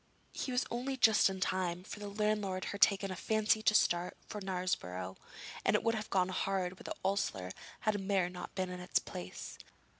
He was only just in time, for the landlord had taken a fancy to start early for Knaresborough, and it would have gone hard with the ostler had the mare not been in its place.